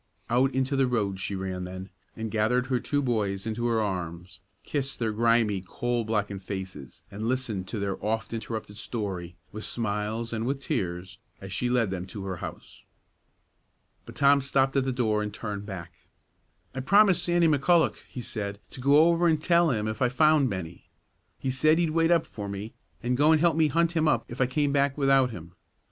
Out into the road she ran then, and gathered her two boys into her arms, kissed their grimy, coal blackened faces, and listened to their oft interrupted story, with smiles and with tears, as she led them to her house. But Tom stopped at the door and turned back. "I promised Sandy McCulloch," he said, "to go over an' tell him if I found Bennie. He said he'd wait up for me, an' go an' help me hunt him up if I came back without him.